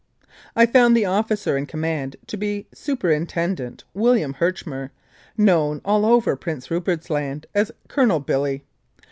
I found the officer in command to be Superintendent William Herchmer, known all over Prince Rupert's Land as "Colonel Billy."